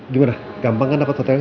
gimana gampang kan dapat hotelnya